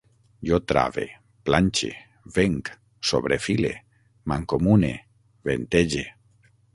Jo trave, planxe, venc, sobrefile, mancomune, ventege